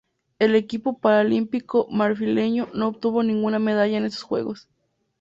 El equipo paralímpico marfileño no obtuvo ninguna medalla en estos Juegos.